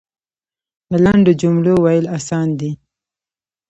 د لنډو جملو ویل اسانه دی .